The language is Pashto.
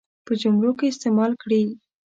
په جملو کې استعمال کړي.